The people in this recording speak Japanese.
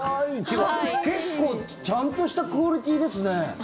結構ちゃんとしたクオリティーですね。